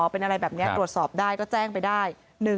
เป็นอะไรแบบนี้ตรวจสอบได้ก็แจ้งไปได้